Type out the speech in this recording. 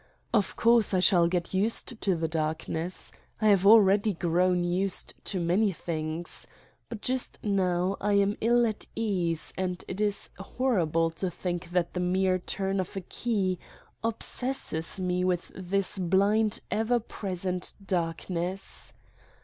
Of course I shall get used to the dark ness. I have already grown used to many things. But just now I am ill at ease and it is horrible to think that the mere turn of a key obsesses me with this blind ever present darkness.